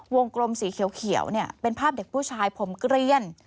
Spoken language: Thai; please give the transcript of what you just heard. กลมสีเขียวเป็นภาพเด็กผู้ชายผมเกลี้ยน